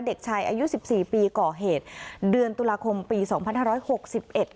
เด็กชายอายุสิบสี่ปีก่อเหตุเดือนตุลาคมปีสองพันห้าร้อยหกสิบเอ็ด